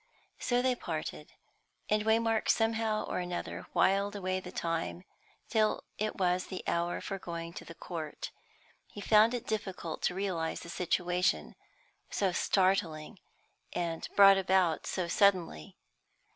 So they parted, and Waymark somehow or other whiled away the time till it was the hour for going to the court. He found it difficult to realise the situation; so startling and brought about so suddenly.